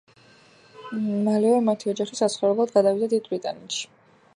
მალევე მათი ოჯახი საცხოვრებლად გადავიდა დიდ ბრიტანეთში.